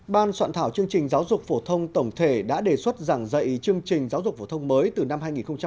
ban soạn thảo chương trình giáo dục phổ thông tổng thể đã đề xuất giảng dạy chương trình giáo dục phổ thông mới từ năm hai nghìn một mươi chín